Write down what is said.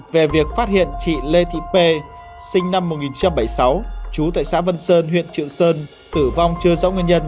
về việc phát hiện chị lê thị p sinh năm một nghìn chín trăm bảy mươi sáu trú tại xã vân sơn huyện triệu sơn tử vong chưa rõ nguyên nhân